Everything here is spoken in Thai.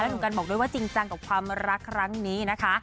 หนุ่มกันบอกด้วยว่าจริงจังกับความรักครั้งนี้นะคะ